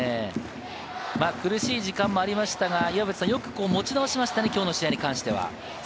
苦しい時間もありましたが、よく持ち直しましたね、きょうの試合に関しては。